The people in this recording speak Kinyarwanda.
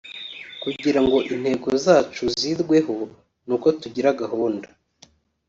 kugira ngo intego zacu zirweho ni uko tugira gahunda